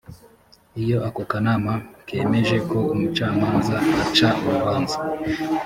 iyo ako kanama kemeje ko umucamanza aca urubanza